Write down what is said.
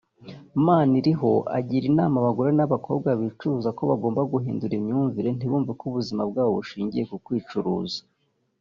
Maniriho agira inama abagore n’abakobwa bicuruza ko bagomba guhindura imyumvire ntibumve ko ubuzima bwabo bushingiye ku kwicuruza